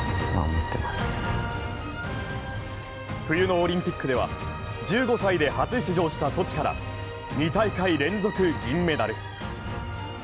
冬のオリンピックでは１５歳で初出場したソチから２大会連続銀メダル。